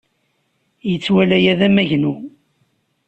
Yettwali aya d amagnu.